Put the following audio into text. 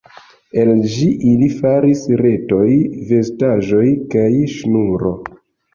El ĝi ili faris retoj, vestaĵoj, kaj ŝnuro.